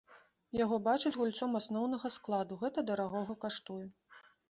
Яго бачаць гульцом асноўнага складу, гэта дарагога каштуе.